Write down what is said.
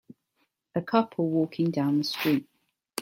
A couple walking down the street